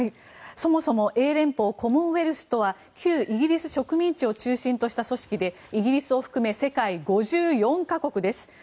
そもそも、英連邦コモンウェルスとは旧イギリス植民地を中心とした組織でイギリスを含め世界５４か国です。